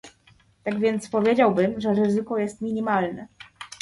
Tak więc powiedziałbym, że ryzyko jest minimalne